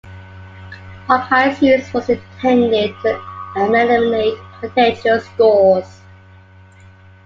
Hawk-Eye's use was intended to eliminate contentious scores.